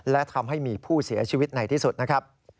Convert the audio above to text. และทำให้มีผู้เสียชีวิตในที่สุดนะครับ